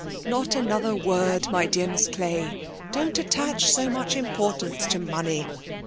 'Not another word, my dear Miss Clay. Don't attach so much importance to money.